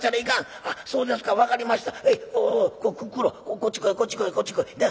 こっち来いこっち来いこっち来い。